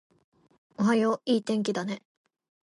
おはよう、いい天気だね